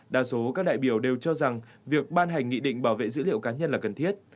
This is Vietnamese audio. đa số các đại biểu đều cho rằng việc ban hành nghị định bảo vệ dữ liệu cá nhân là cần thiết